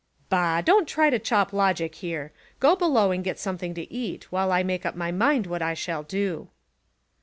"Bah! Don't try to chop logic here; go below and get something to eat, while I make up my mind what I shall do."